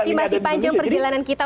jadi masih panjang perjalanan kita